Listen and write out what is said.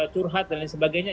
curhat dan lain sebagainya